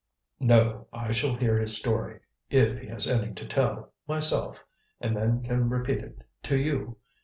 "No; I shall hear his story if he has any to tell myself, and then can repeat it to you.